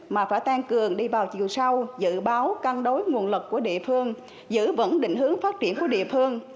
mà phải tăng cường đi vào chiều sâu dự báo cân đối nguồn lực của địa phương giữ vững định hướng phát triển của địa phương